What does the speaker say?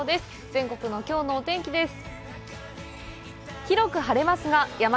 全国のきょうのお天気です。